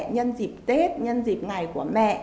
nhân dịp tết nhân dịp ngày của mẹ